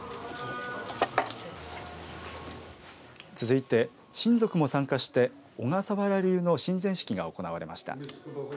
続いて親族も参加して小笠原流の神前式が行われました。